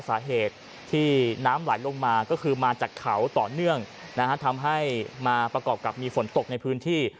สาเหตุที่น้ำไหลลงมาก็คือมาจากเขาต่อเนื่องนะฮะทำให้มาประกอบกับมีฝนตกในพื้นที่